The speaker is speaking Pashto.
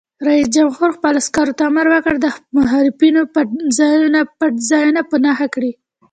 رئیس جمهور خپلو عسکرو ته امر وکړ؛ د مخالفینو پټنځایونه په نښه کړئ!